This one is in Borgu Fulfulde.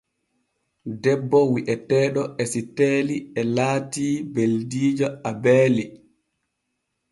Debbo wi’eteeɗo Esiteeli e laati beldiijo Abeeli.